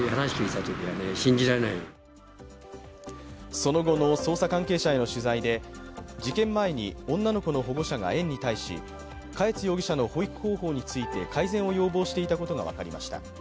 その後の捜査関係者への取材で事件前に女の子の保護者が園に対し嘉悦容疑者の保育方法について改善を要望していたことが分かりました。